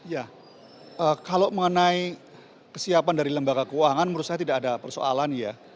ya kalau mengenai kesiapan dari lembaga keuangan menurut saya tidak ada persoalan ya